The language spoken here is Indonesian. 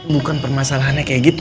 bukan permasalahannya kayak gitu